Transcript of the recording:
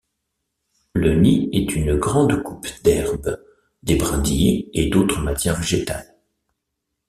Le nid est une grande coupe d'herbe, des brindilles et d'autres matières végétales.